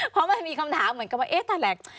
เพราะมันมีคำถามเหมือนกับว่าเอ๊ะนั่นแหละ